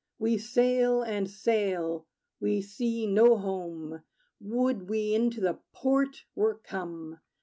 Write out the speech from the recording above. We sail and sail: we see no home. Would we into the port were come!